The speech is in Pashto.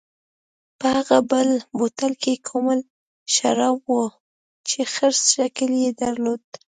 په هغه بل بوتل کې کومل شراب و چې خرس شکل یې درلود.